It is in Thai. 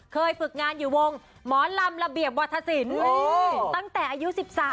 เคยฝึกงานอยู่วงหมอลำระเบียบวัฒนศิลป์ตั้งแต่อายุ๑๓